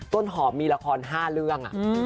ต้นหอมมีละคร๕เรื่อง